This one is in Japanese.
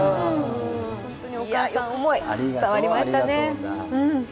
本当にお母さん思い伝わりましたね。